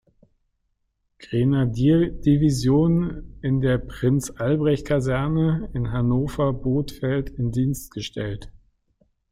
Grenadierdivision in der Prinz-Albrecht-Kaserne in Hannover-Bothfeld in Dienst gestellt.